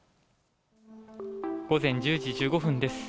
午前１０時１５分です。